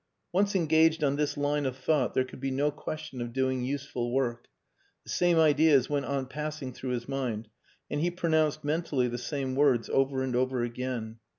Once engaged on this line of thought there could be no question of doing useful work. The same ideas went on passing through his mind, and he pronounced mentally the same words over and over again.